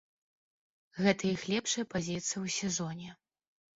Гэта іх лепшая пазіцыя ў сезоне.